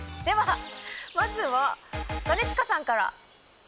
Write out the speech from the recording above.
ではまずは兼近さんから。